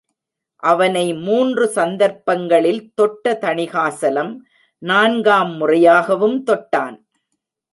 அவனை மூன்று சந்தர்ப்பங்களில் தொட்ட தணிகாசலம், நான்காம் முறையாகவும் தொட்டான்!